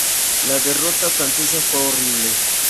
La derrota francesa fue horrible.